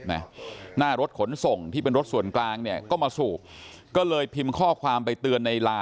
หน้ารถขนส่งที่เป็นรถส่วนกลางก็มาสูบ